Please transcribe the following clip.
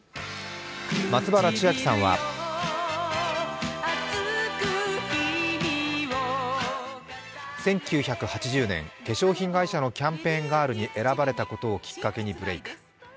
松原千明さんは１９８０年、化粧品会社のキャンペーンガールに選ばれたことをきっかけにブレーク。